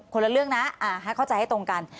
ละเรื่องนะให้เข้าใจให้ตรงกัน